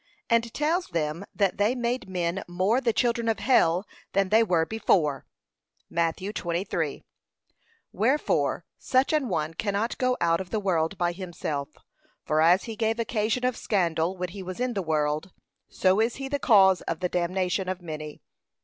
and tells them that they made men more the children of hell than they were before. (Matt. 23) Wherefore such an one cannot go out of the world by himself: for as he gave occasion of scandal when he was in the world, so is he the cause of the damnation of many.